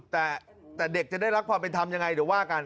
แต่เด็กจะได้รับความเป็นธรรมยังไงเดี๋ยวว่ากัน